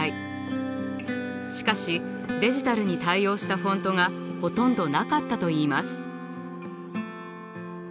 しかしデジタルに対応したフォントがほとんどなかったといいます。